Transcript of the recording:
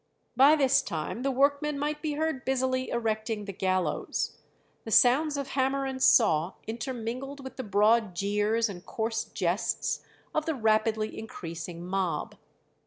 By this time the workmen might be heard busily erecting the gallows; the sounds of hammer and saw intermingled with the broad jeers and coarse jests of the rapidly increasing mob.